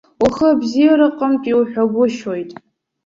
Ухы абзиараҟынтә иуҳәагәышьоит.